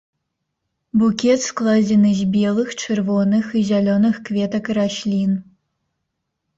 Букет складзены з белых, чырвоных і зялёных кветак і раслін.